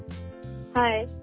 はい。